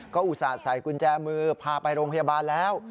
ก็อุตส่าห์ใส่กุญแจมือพาไปโรงพยาบาลแล้ว